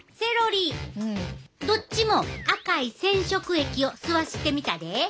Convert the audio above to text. どっちも赤い染色液を吸わしてみたで。